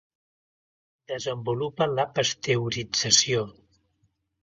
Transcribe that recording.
Desenvolupa la pasteurització.